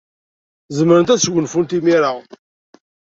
Zemrent ad sgunfunt imir-a.